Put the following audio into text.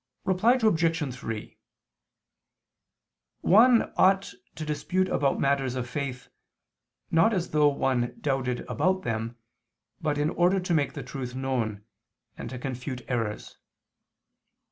Reply Obj. 3: One ought to dispute about matters of faith, not as though one doubted about them, but in order to make the truth known, and to confute errors.